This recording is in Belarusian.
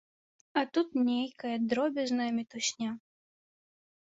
А тут нейкая дробязная мітусня.